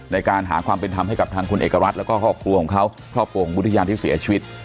ในการหาความเป็นธรรมให้กับทางคุณเอกรัฐแล้วก็ครอบครัวของเขาครอบครัวของวิทยาที่เสียชีวิต